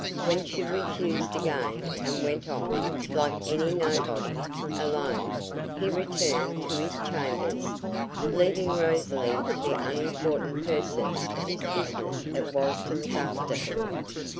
When she refused again, and went off, like any nobody, alone, he returned to his chambers, leaving Rosalie to the unimportant persons whose business it was to look after her.